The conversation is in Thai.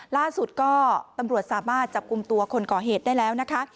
ล่าสุดก็ตำรวจสามารถจับกลุ่มตัวคนก่อเหตุได้แล้วนะคะ